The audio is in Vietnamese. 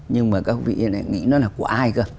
nhưng mà các vị nghĩ nó là của ai cơ